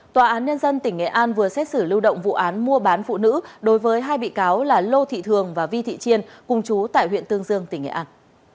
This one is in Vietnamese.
tòa án nhân dân tỉnh nghệ an vừa xét xử lưu động vụ án mua bán phụ nữ đối với hai bị cáo là lô thị thường và vi thị chiên cùng chú tại huyện tương dương tỉnh nghệ an